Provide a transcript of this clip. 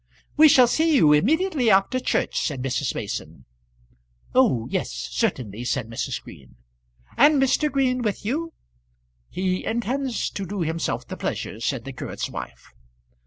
"We shall see you immediately after church," said Mrs. Mason. "Oh yes, certainly," said Mrs. Green. "And Mr. Green with you?" "He intends to do himself the pleasure," said the curate's wife.